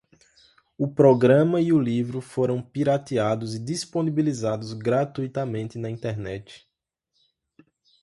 O programa e o livro foram pirateados e disponibilizados gratuitamente na internet